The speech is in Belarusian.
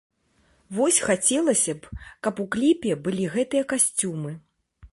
Вось, хацелася б, каб у кліпе былі гэтыя касцюмы.